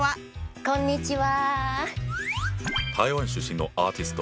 こんにちは。